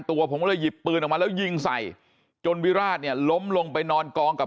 ตัวผมก็เลยหยิบปืนออกมาแล้วยิงใส่จนวิราชเนี่ยล้มลงไปนอนกองกับ